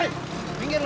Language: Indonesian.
hei sepinggir lo